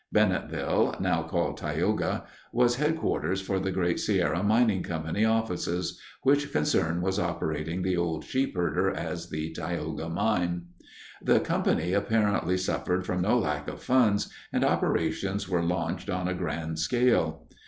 Bennetville (now called Tioga) was headquarters for the Great Sierra Mining Company offices, which concern was operating the old Sheepherder as the "Tioga Mine." The company apparently suffered from no lack of funds, and operations were launched on a grand scale.